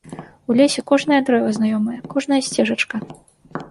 У лесе кожнае дрэва знаёмае, кожная сцежачка.